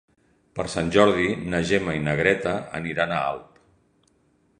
Per Sant Jordi na Gemma i na Greta aniran a Alp.